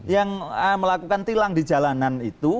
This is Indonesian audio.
yang melakukan tilang di jalanan itu